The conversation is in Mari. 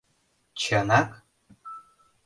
- Чынак?